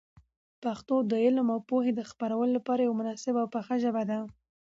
پښتو د علم او پوهي د خپرولو لپاره یوه مناسبه او پخه ژبه ده.